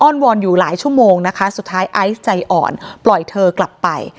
วอนอยู่หลายชั่วโมงนะคะสุดท้ายไอซ์ใจอ่อนปล่อยเธอกลับไป